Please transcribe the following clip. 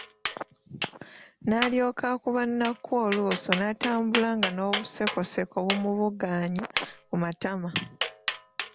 N’alyoka akuba Nakku oluuso n’atambula nga n’obusekoseko bumubugaanye ku matama.